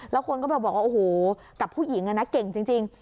แล้วคนก็บอกว่ากับผู้หญิงนะเก่งจริง